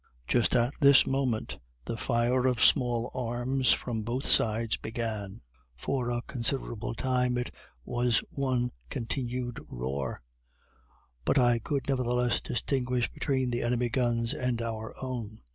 Just at this moment, the fire of small arms from both sides began. For a considerable time it was one continued roar. But I could, nevertheless, distinguish between the enemies guns and our own.